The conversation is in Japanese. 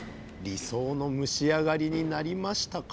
理想の蒸し上がりになりましたか？